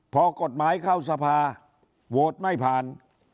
พอกฎหมายเข้าสภาโหวตไม่ผ่าน